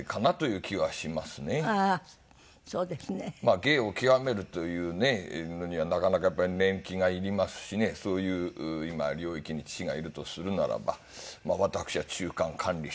芸を究めるというねのにはなかなかやっぱり年季がいりますしねそういう今領域に父がいるとするならば私は中間管理職で。